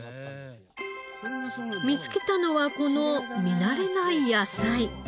見つけたのはこの見慣れない野菜。